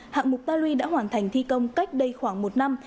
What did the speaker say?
hạng mục ta lui đã hoàn thành thi công cách đây khoảng một năm